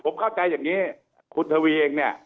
ผมเข้าใจอย่างนี้คุณทวีเองเนี่ย